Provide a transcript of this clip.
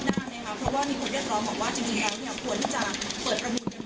เพราะว่ามีคนเรียกร้องบอกว่าจริงแล้วควรจะเปิดประมูลกันใหม่